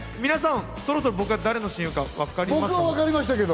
皆さん、そろそろ僕が誰の親友か分かりました？